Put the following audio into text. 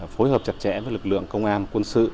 phối hợp chặt chẽ với lực lượng công an quân sự